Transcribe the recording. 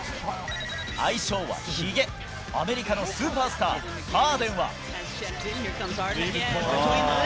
愛称はひげ、アメリカのスーパースター、ハーデンは。